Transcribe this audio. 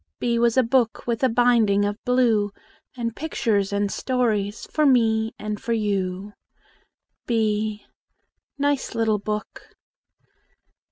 B was a book With a binding of blue, And pictures and stories For me and for you. b Nice little book!